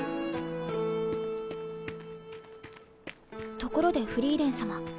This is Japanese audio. ところでフリーレン様。